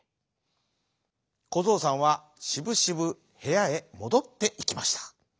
こぞうさんはしぶしぶへやへもどっていきました。